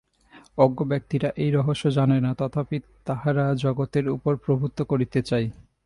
অজ্ঞ ব্যক্তিরা এই রহস্য জানে না, তথাপি তাহারা জগতের উপর প্রভুত্ব করিতে চায়।